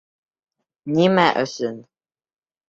Нимә өсөн?